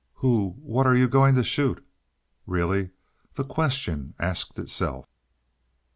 "Who what are you going to shoot?" Really, the question asked itself.